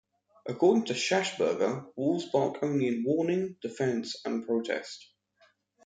According to Schassburger, wolves bark only in warning, defense, and protest.